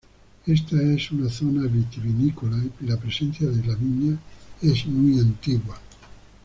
Esta es una zona vitivinícola, y la presencia de la viña es muy antigua.